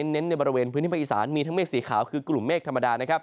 เน้นในบริเวณพื้นที่ภาคอีสานมีทั้งเมฆสีขาวคือกลุ่มเมฆธรรมดานะครับ